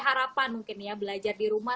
harapan mungkin ya belajar di rumah